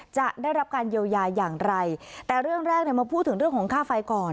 จะได้รับการเยียวยาอย่างไรแต่เรื่องแรกเนี่ยมาพูดถึงเรื่องของค่าไฟก่อน